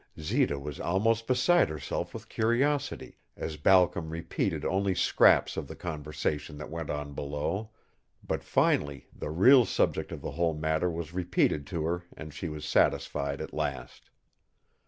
Zita was almost beside herself with curiosity, as Balcom repeated only scraps of the conversation that went on below, but finally the real subject of the whole matter was repeated to her and she was satisfied at last.